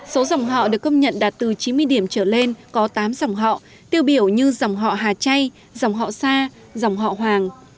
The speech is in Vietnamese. số dòng họ được công nhận đạt từ chín mươi điểm trở lên có tám dòng họ tiêu biểu như dòng họ hà chay dòng họ sa dòng họ hoàng